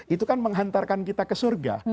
itu kan menghantarkan kita ke surga